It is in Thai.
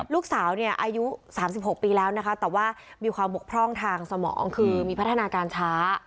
ลูกสาวเนี่ยอายุ๓๖ปีแล้วนะคะแต่ว่ามีความบกพร่องทางสมองคือมีพัฒนาการช้า